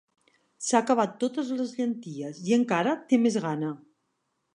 S'ha acabat totes les llenties i encara té més gana.